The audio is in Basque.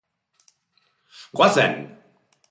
Goazen!